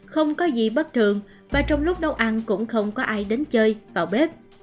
không có gì bất thường mà trong lúc nấu ăn cũng không có ai đến chơi vào bếp